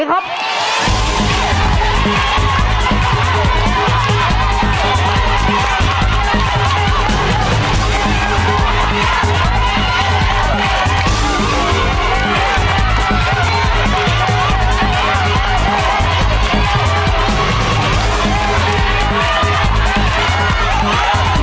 พ่อแอมจะได้โบนัสกลับไปบ้านเท่าไร